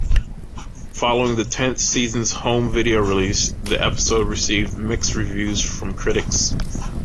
Following the tenth season's home video release, the episode received mixed reviews from critics.